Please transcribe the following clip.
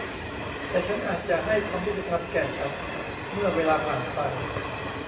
แต่ฉันอาจจะให้ความยุติธรรมแก่ฉันเมื่อเวลาผ่านไป